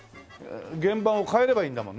原版を替えればいいんだもんね？